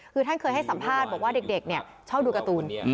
คือท่านเคยให้สัมภาษณ์บอกว่าเด็กชอบดูการ์ตูน